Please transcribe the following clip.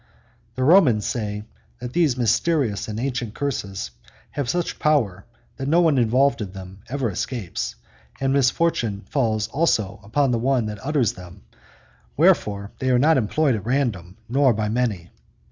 The Romans say that these mysterious and ancient curses have such power that no one involved in them ever escapes, and misfortune falls also upon the one who utters them, wherefore they are not emptoyed at random nor by many.